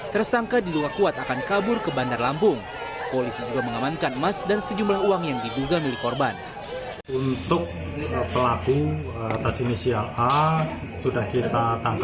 tersangka diluka kuat akan kabur ke bandar lampung